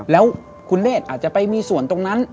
แล้วคุณเนธอาจจะไปมีส่วนตรงนั้น